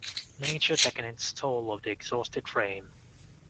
Nature taking its toll of the exhausted frame.